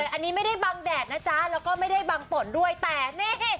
อันนี้ไม่ได้บังแดดนะจ๊ะแล้วก็ไม่ได้บังฝนด้วยแต่นี่